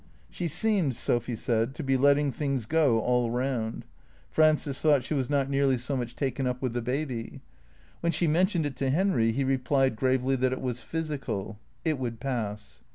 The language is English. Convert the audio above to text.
She seemed, Sophy said, to be letting things go all round. Frances thought she was not nearly so much taken up with the baby. When she mentioned it to Henry he replied gravely that it was physical. It would pass.